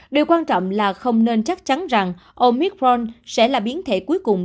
điều quan trọng là không nên chắc chắn rằng omicron sẽ là biến thể cuối cùng